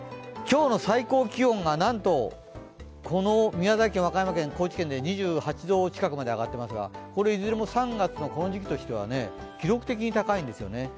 今日の最高気温がなんと、この宮崎県、和歌山県、高知県で２８度近くまで上がっていますがいずれも３月のこの時期としては記録的に高いんですよね。